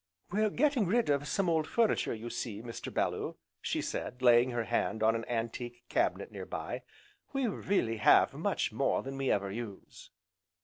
"We're getting rid of some of the old furniture, you see, Mr. Bellew," she said, laying her hand on an antique cabinet nearby, "we really have much more than we ever use."